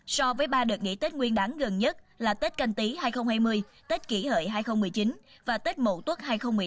so với ba đợt nghỉ tết nguyên đáng gần nhất là tết canh tí hai nghìn hai mươi tết kỷ hợi hai nghìn một mươi chín và tết mậu tuất hai nghìn một mươi tám